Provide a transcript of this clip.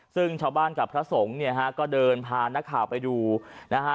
ซึ่งชาวบ้านกับพระสงฆ์เนี่ยฮะก็เดินพานักข่าวไปดูนะฮะ